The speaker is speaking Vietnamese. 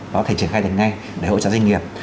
có thể triển khai được ngay để hỗ trợ doanh nghiệp